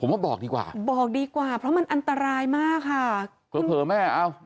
ว่าบอกดีกว่าบอกดีกว่าเพราะมันอันตรายมากค่ะเผลอเผลอแม่เอา